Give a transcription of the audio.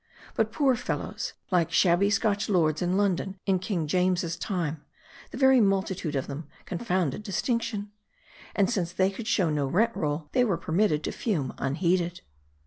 But poor fellows ! like shabby Scotch lords in London in King James's time, the very multitude of them confounded distinction. And since they could show no rent roll, they were pgrmitted to fume unheeded.